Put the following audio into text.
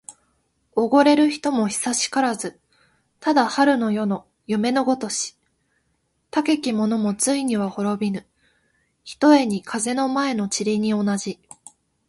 おごれる人も久しからず。ただ春の夜の夢のごとし。たけき者もついには滅びぬ、ひとえに風の前の塵に同じ。